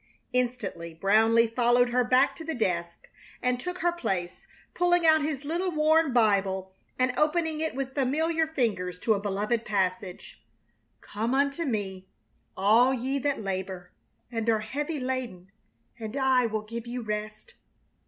Instantly Brownleigh followed her back to the desk and took her place, pulling out his little, worn Bible and opening it with familiar fingers to a beloved passage: "'Come unto me, all ye that labor and are heavy laden, and I will give you rest.'"